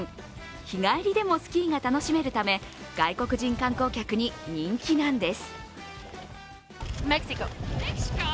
日帰りでもスキーが楽しめるため外国人観光客に人気なんです。